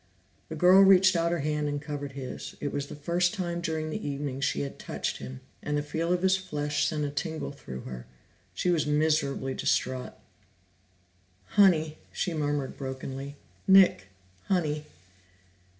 The girl reached out her hand and covered his; it was the first time during the evening that she had touched him, and the feel of his flesh sent a tingle through her. She was miserably distraught. "Honey," she murmured brokenly. "Nick, Honey."